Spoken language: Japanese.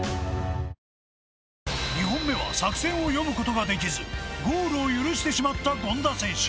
２本目は作戦を読むことができずゴールを許してしまった権田選手。